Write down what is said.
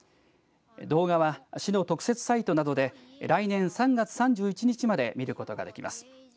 動画は市の特設サイトなどで来年３月３１日まで見ることができます。